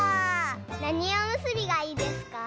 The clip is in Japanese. なにおむすびがいいですか？